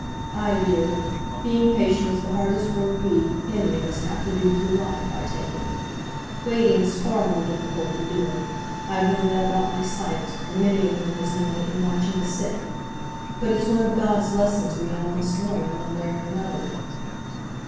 "Ay, dear; being patient is the hardest work we, any on us, have to do through life, I take it. Waiting is far more difficult than doing. I've known that about my sight, and many a one has known it in watching the sick; but it's one of God's lessons we all must learn, one way or another."